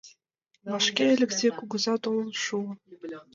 Вашке Элексей кугыза толын шуо.